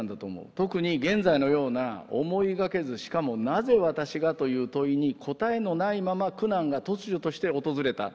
特に現在のような思いがけずしかも「なぜ私が？」という問いに答えのないまま苦難が突如として訪れた。